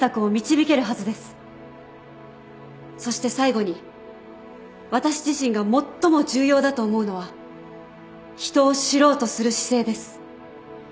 そして最後に私自身が最も重要だと思うのは人を知ろうとする姿勢です。